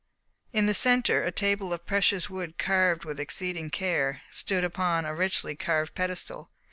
In the centre a table of precious wood carved with exceeding care, stood upon a richly carved pedestal.